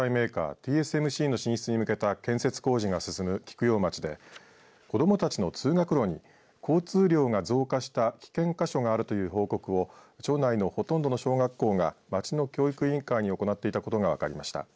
ＴＳＭＣの新設に向けた建設工事が進む菊陽町で子どもたちの通学路に交通量が増加した危険箇所があるという報告を町内のほとんどの小学校が町の教育委員会に行っていたことが分かりました。